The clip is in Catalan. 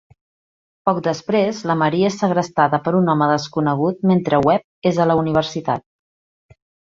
Poc després, la Maria és segrestada per un home desconegut, mentre Webb és a la universitat.